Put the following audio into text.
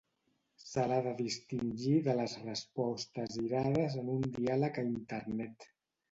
Se l'ha de distingir de les respostes irades en un diàleg a internet.